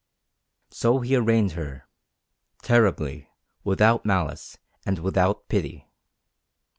So he arraigned her, terribly, without malice, and without pity.